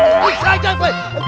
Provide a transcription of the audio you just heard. ih gajah gue